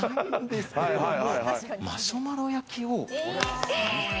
マシュマロ焼きを。